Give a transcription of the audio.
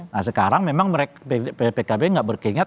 nah sekarang memang mereka pkb gak berkeringat